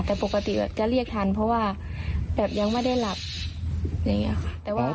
แต่ปกติจะเรียกทันเพราะว่าแบบยังไม่ได้หลับอะไรอย่างนี้ค่ะ